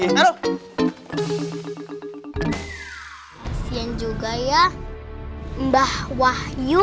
kasian juga ya mbah wahyu